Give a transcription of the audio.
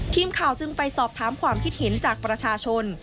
ทีมข่าวจึงไปสอบถามความคิดเห็นจากประชาชน